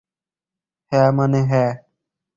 হ্যাঁ, মানে না।